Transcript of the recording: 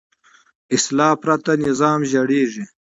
اصلاح پرته نظام زړېږي